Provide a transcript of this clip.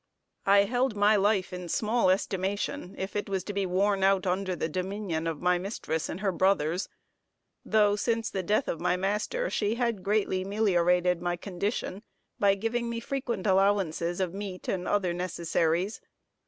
I held my life in small estimation, if it was to be worn out under the dominion of my mistress and her brothers, though since the death of my master she had greatly meliorated my condition by giving me frequent allowances of meat and other necessaries.